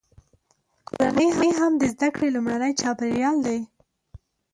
کورنۍ هم د زده کړې لومړنی چاپیریال دی.